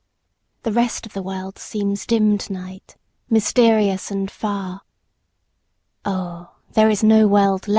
The rest of the world seems dim tonight, mysterious and far. Oh, there is no world!